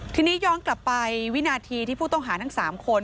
ทีนี้ย้อนกลับไปวินาทีที่ผู้ต้องหาทั้ง๓คน